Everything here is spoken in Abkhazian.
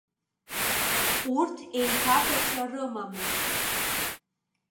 Урҭ еиҭаҳәашьа рымамызт.